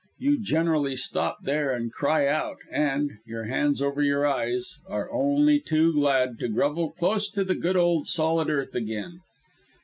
You generally stop there and cry out, and your hands over your eyes are only too glad to grovel close to the good old solid earth again.